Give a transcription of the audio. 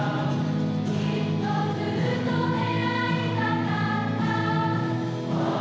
「きっとずっと出会いたかった」